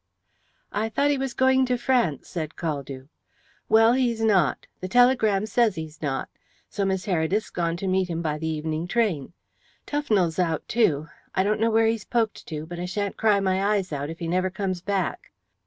"I thought he was going to France," said Caldew. "Well, he's not. The telegram says he's not. So Miss Heredith's gone to meet him by the evening train. Tufnell's out too. I don't know where he's poked to, but I shan't cry my eyes out if he never comes back."